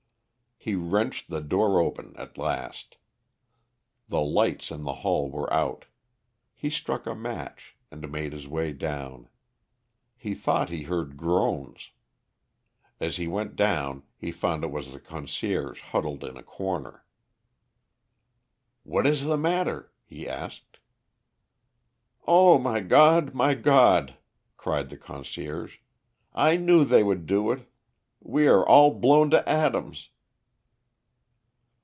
He wrenched the door open at last. The lights in the hall were out; he struck a match, and made his way down. He thought he heard groans. As he went down, he found it was the concierge huddled in a corner. "What is the matter?" he asked. "Oh, my God, my God!" cried the concierge, "I knew they would do it. We are all blown to atoms!"